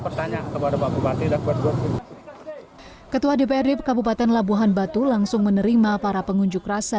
bertanya kepada pak bupati ketua dprd kabupaten labuhan batu langsung menerima para pengunjuk rasa